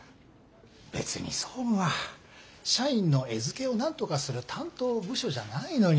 別に総務は社員の餌付けをなんとかする担当部署じゃないのに。